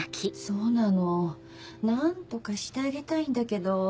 そうなの何とかしてあげたいんだけど。